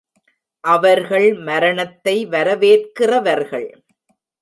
அவர்கள் மரணத்தை வரவேற்கிறவர்கள்.